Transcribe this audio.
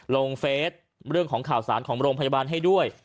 เฟสเรื่องของข่าวสารของโรงพยาบาลให้ด้วย